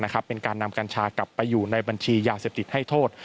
เป็นการนำกัญชากลับไปอยู่ในบัญชียาเสพติดให้โทษ